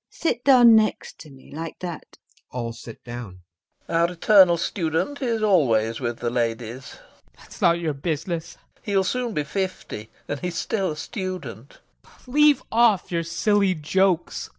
Sit down next to me, like that. [All sit down.] LOPAKHIN. Our eternal student is always with the ladies. TROFIMOV. That's not your business. LOPAKHIN. He'll soon be fifty, and he's still a student. TROFIMOV. Leave off your silly jokes!